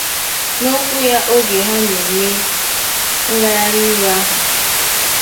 N'okwu ya oge ha na-eme ngagharịiwe ahụ